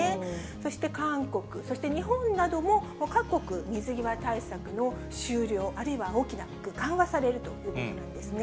そして韓国、そして日本なども各国、水際対策の終了、あるいは大きく緩和されるということなんですね。